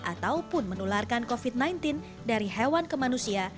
ataupun menularkan covid sembilan belas dari hewan ke manusia